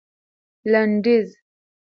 لنډيز